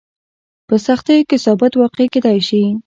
په سختیو کې ثابت واقع کېدای شي.